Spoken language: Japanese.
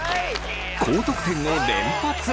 高得点を連発！